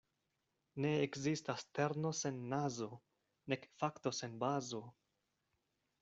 Ne ekzistas terno sen nazo nek fakto sen bazo.